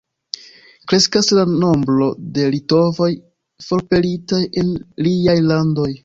Kreskas la nombro de litovoj forpelitaj el aliaj landoj.